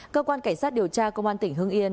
cơ quan cảnh sát điều tra công an tỉnh hưng yên